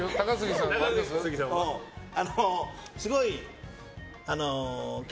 すごい。